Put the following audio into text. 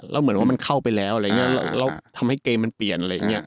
แล้วเหมือนว่ามันเข้าไปแล้วแล้วทำให้เกมมันเปลี่ยน